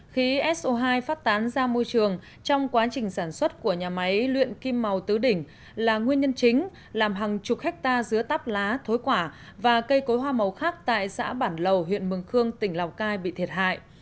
khí so hai phát tán ra môi trường trong quá trình sản xuất của nhà máy luyện kim màu tứ đỉnh là nguyên nhân chính làm hàng chục hectare dứa tắp lá thối quả và cây cối hoa màu khác tại xã bản lầu huyện mường khương tỉnh lào cai bị thiệt hại